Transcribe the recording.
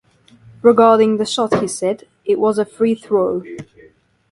Regarding the shot, he said, It was a free throw.